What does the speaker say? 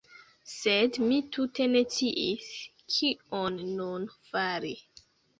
Sed mi tute ne sciis, kion nun fari.